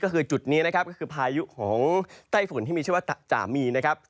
ก็คือจุดนี้นะครับก็คือพายุของไต้ฝุ่นที่มีชื่อว่าจ่ามีนะครับ